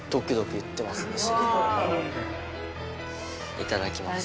いただきます。